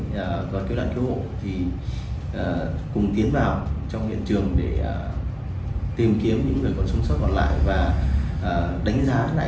và cơ đoàn cứu hộ thì cùng tiến vào trong hiện trường để tìm kiếm những người còn sống sót còn lại